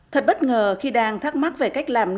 thật bất ngờ khi đang thắc mắc về cách tạo ra nét cổ kính